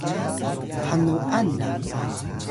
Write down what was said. hanuan la